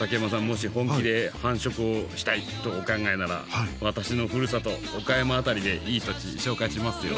もし本気で繁殖をしたいとお考えなら私のふるさと岡山辺りでいい土地紹介しますよ。